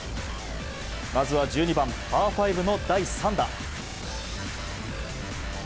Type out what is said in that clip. まずは１２番、パー５の第３打。